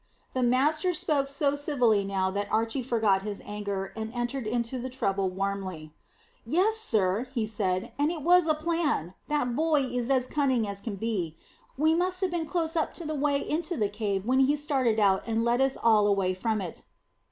The master spoke so civilly now that Archy forgot his anger, and entered into the trouble warmly. "Yes," he said; "and it was a plan. That boy is as cunning as can be. We must have been close up to the way into the cave when he started out and led us all away from it."